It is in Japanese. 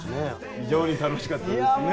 非常に楽しかったですね。